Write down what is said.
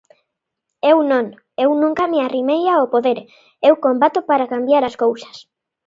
Eu non, eu nunca me arrimei ao poder, eu combato para cambiar as cousas.